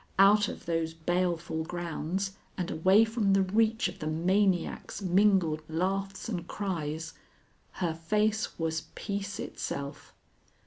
out of those baleful grounds and away from the reach of the maniac's mingled laughs and cries, her face was peace itself.